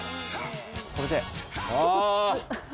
これで。